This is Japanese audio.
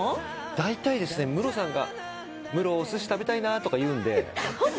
大体ですね、ムロさんが、ムロ、お寿司食べたいなとか言うんで。